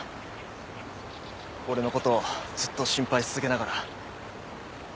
俺の事をずっと心配し続けながら。